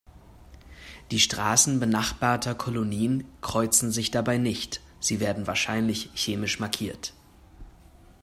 Die Straßen benachbarter Kolonien kreuzen sich dabei nicht, sie werden wahrscheinlich chemisch markiert.